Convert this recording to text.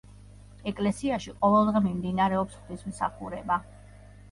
ეკლესიაში ყოველდღე მიმდინარეობს ღვთისმსახურება.